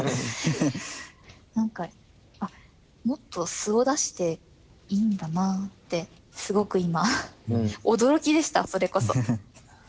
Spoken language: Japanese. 何かもっと素を出していいんだなってすごく今驚きでしたそれこそ。